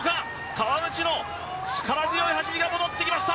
川内の力強い走りが戻ってきました。